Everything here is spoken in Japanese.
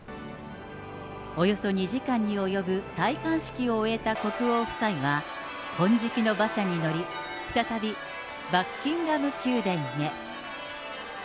およそ２時間に及ぶ戴冠式を終えた国王夫妻は、金色の馬車に乗り、再びバッキンガム宮殿へ。